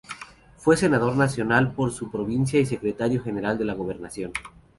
Fue Senador Nacional por su provincia y Secretario General de la Gobernación.